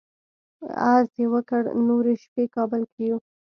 عرض یې وکړ نورې شپې کابل کې یو.